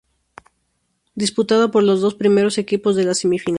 Disputado por los dos primeros equipos de la semifinal.